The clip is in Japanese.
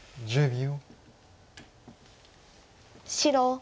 １０秒。